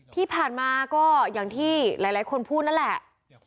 ที่ผ่านมาก็อย่างที่หลายคนพูดนั่นแหละ